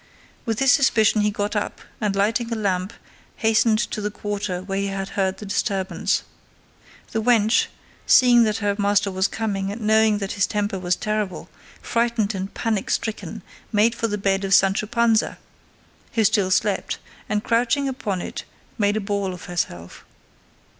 With this suspicion he got up, and lighting a lamp hastened to the quarter where he had heard the disturbance. The wench, seeing that her master was coming and knowing that his temper was terrible, frightened and panic stricken made for the bed of Sancho Panza, who still slept, and crouching upon it made a ball of herself.